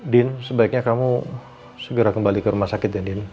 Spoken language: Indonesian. din sebaiknya kamu segera kembali ke rumah sakit dian